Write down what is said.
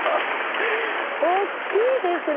おっきいですね！